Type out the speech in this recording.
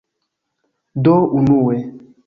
Do, unue